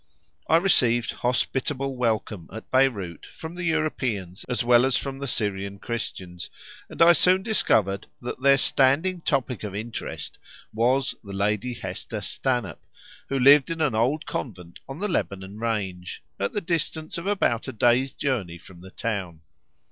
I received hospitable welcome at Beyrout from the Europeans as well as from the Syrian Christians, and I soon discovered that their standing topic of interest was the Lady Hester Stanhope, who lived in an old convent on the Lebanon range, at the distance of about a day's journey from the town.